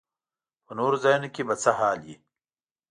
په نورو ځایونو کې به څه حال وي.